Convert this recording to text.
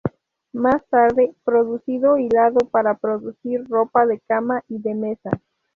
Más tarde, producido hilado para producir ropa de cama y de mesa.